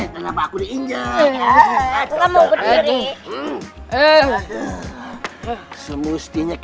jangan jangan jin jinil yang ngeluarin